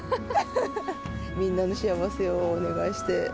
みんなの幸せをお願いして。